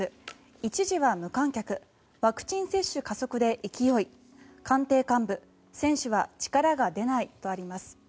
一時は無観客ワクチン接種加速で勢い官邸幹部選手は力が出ないとあります。